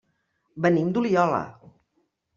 Venim d'Oliola.